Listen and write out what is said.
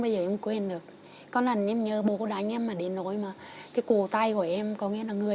bây giờ em quên được có lần em nhớ bố đánh em mà đến nỗi mà cái cổ tay của em có nghĩa là người